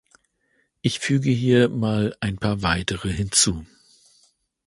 Ich füge hier mal ein paar weitere hinzu.